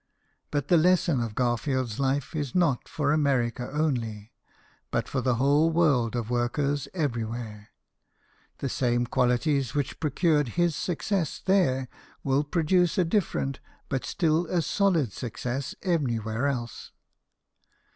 But the lesson of Garfield's life is not lor America only, but for the whole world of workers everywhere. The same qualities which procured his success there will produce a different, but still a solid success, anywhere else.